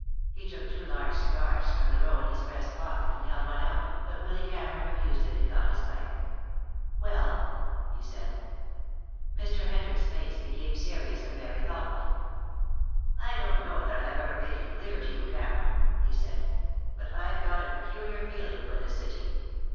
He took two large cigars from the row in his breast pocket and held one out, but Willy Cameron refused it and got his pipe. "Well?" he said. Mr. Hendrick's face became serious and very thoughtful. "I don't know that I have ever made it clear to you, Cameron," he said, "but I've got a peculiar feeling for this city.